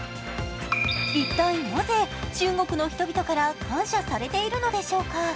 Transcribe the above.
一体、なぜ中国の人々から感謝されているのでしょうか？